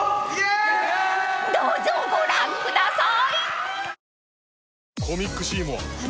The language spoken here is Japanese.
［どうぞご覧ください！］